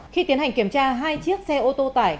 khi tiến hành kiểm tra hai chiếc xe ô tô tải